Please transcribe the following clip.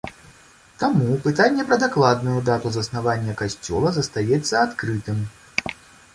Таму пытанне пра дакладную дату заснавання касцёла застаецца адкрытым.